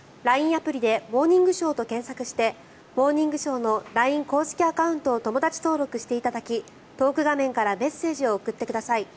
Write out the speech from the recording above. アプリで「モーニングショー」と検索をして「モーニングショー」のＬＩＮＥ公式アカウントを友だち登録していただきトーク画面からメッセージを送ってください。